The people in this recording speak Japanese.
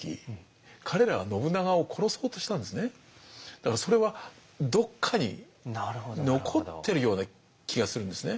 だからそれはどっかに残ってるような気がするんですね。